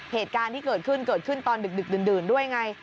เหตุการณ์ที่เกิดขึ้นเกิดขึ้นตอนดึกดื่นด้วยไง